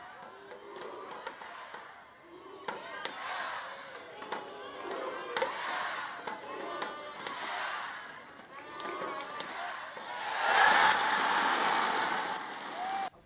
kepala kursi menang della roshita menang